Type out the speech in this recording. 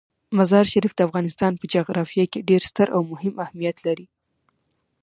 مزارشریف د افغانستان په جغرافیه کې ډیر ستر او مهم اهمیت لري.